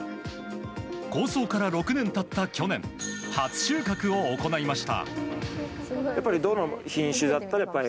構想から６年経った去年初収穫を行いました。